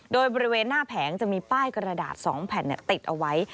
โดยบริเวณหน้าแผงจะมีป้ายกระดาษ๒แผ่นติดเอาไว้